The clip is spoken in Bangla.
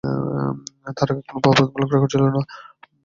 তার আগে কোনো অপরাধমূলক রেকর্ড ছিল না।